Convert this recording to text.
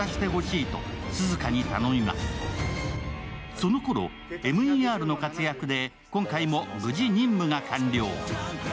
そのころ、ＭＥＲの活躍で今回も無事、任務が完了。